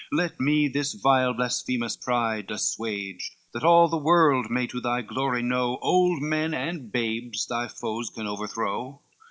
Let me this vile blasphemous pride assuage, That all the world may to thy glory know, Old men and babes thy foes can overthrow!"